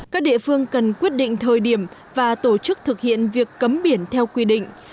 các địa phương cần quyết định thời điểm và tổ chức thực hiện việc cấm biển theo quy định